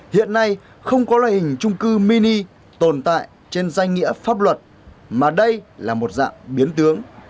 hiện nay không có loại hình trung cư mini tồn tại trên danh nghĩa pháp luật mà đây là một dạng biến tướng